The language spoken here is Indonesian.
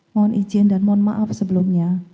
mohon izin dan mohon maaf sebelumnya